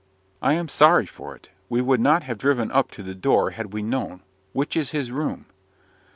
"I am sorry for it. We would not have driven up to the door had we known. Which is his room?"